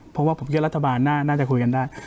เพราะว่าผมเชื่อรัฐบาลน่าจะคุยกันได้